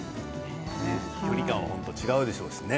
距離感が違うでしょうしね。